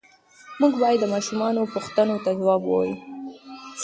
موږ باید د ماشومانو پوښتنو ته ځواب ووایو.